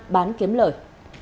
bán kiếm lợi